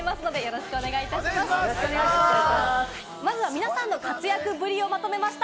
まずは皆さんの活躍ぶりをまとめました。